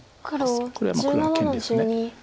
これは黒の権利です。